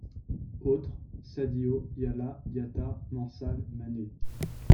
Autres: Sadio, Yalla, Diatta, Mansal, Mané.